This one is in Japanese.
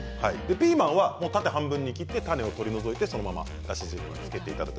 ピーマンは縦半分に切って種を取り除いてそのままだし汁につけていただく。